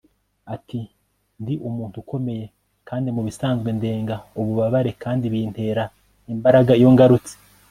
ati: ndi umuntu ukomeye, kandi mubisanzwe ndenga ububabare kandi bintera imbaraga iyo ngarutse